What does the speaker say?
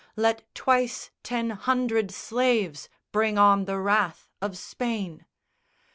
Let twice ten hundred slaves bring on the wrath of Spain!